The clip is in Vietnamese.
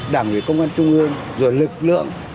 đảng người công an trung ương rồi lực lượng